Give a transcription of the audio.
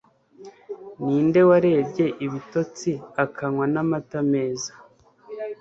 Ninde warebye ibitotsi akanywa namata meza